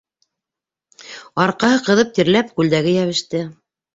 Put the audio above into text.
Арҡаһы ҡыҙып тирләп, күлдәге йәбеште.